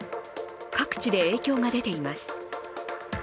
各地で影響が出ています。